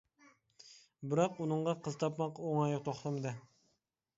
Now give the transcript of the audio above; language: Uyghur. بىراق ئۇنىڭغا قىز تاپماق ئوڭايغا توختىمىدى.